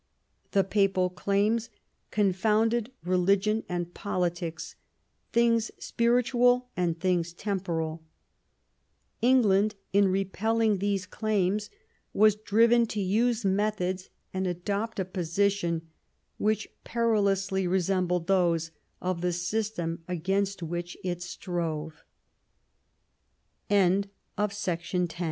The Papal claims confounded religion and politics, things spirit ual and things temporal. England in repelling these claims was driven to use methods, and adopt a position, which perilously resembled those of the system against